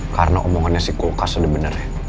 karena omongannya si kokak sebenarnya